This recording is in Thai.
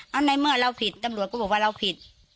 เอาในเมื่อเราผิดตำรวจก็บอกว่าเราผิด